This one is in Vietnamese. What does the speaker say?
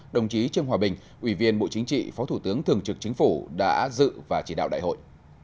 đồng chí trương hòa bình ủy viên bộ chính trị phó thủ tướng thường trực chính phủ đã dự và chỉ đạo đại hội